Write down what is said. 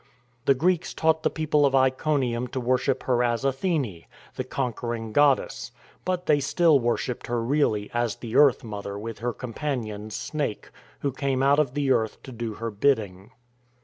The Greeks taught the people of Iconium to worship her as Athene, the conquering goddess; but they still worshipped her really as the Earth Mother with her companion Snake, who came out of the earth to do her bidding.